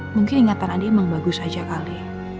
mungkin ingatan adi emang bagus aja kali